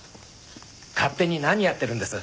勝手に何やってるんです？